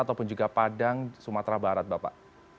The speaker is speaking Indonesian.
ataupun juga padang sumatera barat bapak